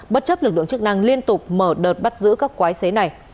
bất chấp lực lượng chức năng liên tục mở đợt bắt giữ các quái xế này